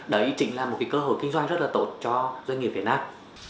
đấy chính là một cơ hội kinh doanh rất là tốt cho doanh nghiệp việt nam